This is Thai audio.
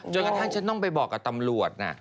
กระทั่งฉันต้องไปบอกกับตำรวจนะ